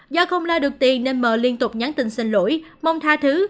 do không lao được tiền nên m liên tục nhắn tình xin lỗi mong tha thứ